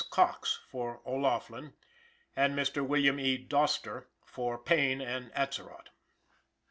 Cox for O'Laughlin, and Mr. William E. Doster for Payne and Atzerodt.